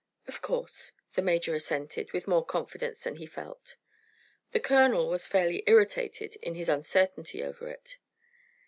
"Of course," the major assented, with more confidence than he felt. The colonel was fairly irritable in his uncertainty over it.